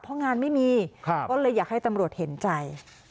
เพราะงานไม่มีก็เลยอยากให้ตำรวจเห็นใจ